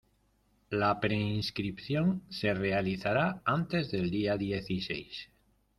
La preinscripción se realizará antes del día dieciséis.